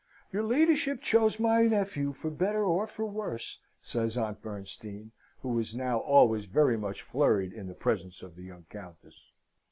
"Your ladyship chose my nephew for better or for worse," says Aunt Bernstein, who was now always very much flurried in the presence of the young Countess.